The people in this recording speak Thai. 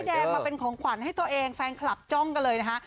แดงมาเป็นของขวัญให้ตัวเองแฟนคลับจ้องกันเลยนะคะ